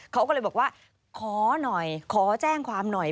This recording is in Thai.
เขาก็เลยบอกว่าขอหน่อยขอแจ้งความหน่อย